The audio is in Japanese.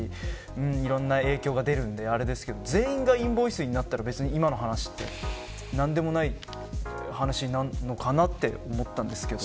いろんな影響が出るのであれですけど全員がインボイスになったら今の話って、何でもない話になるのかなと思ったんですけど。